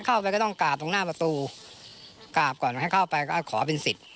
เข้าไปก็ต้องกราบตรงหน้าประตูกราบก่อนให้เข้าไปก็ขอเป็นสิทธิ์